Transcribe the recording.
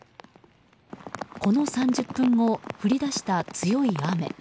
この３０分後降り出した強い雨。